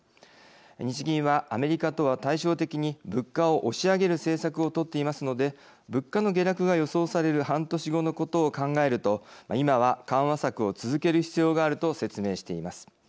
日銀はアメリカとは対照的に物価を押し上げる政策を取っていますので物価の下落が予想される半年後のことを考えると今は緩和策を続ける必要があると説明しています。